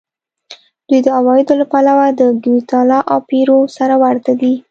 دوی د عوایدو له پلوه د ګواتیلا او پیرو سره ورته دي.